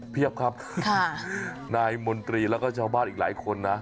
เพียบครับนายมนตรีแล้วก็ชาวบ้านอีกหลายคนนะ